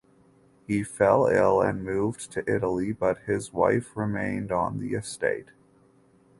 He fell ill and moved to Italy but his wife remained on the estate.